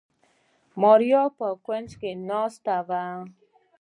ماريا په کونج کې ناسته وه.